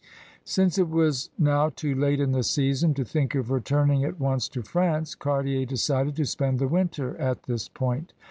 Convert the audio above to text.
Since it was now too late in the season to think of returning at once to France, Cartier decided to spend the winter at this point.